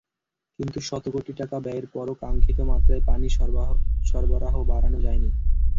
কিন্তু শতকোটি টাকা ব্যয়ের পরও কাঙ্ক্ষিত মাত্রায় পানি সরবরাহ বাড়ানো যায়নি।